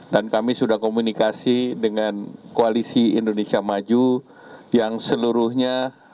dan kami sudah komunikasi dengan koalisi indonesia maju yang seluruhnya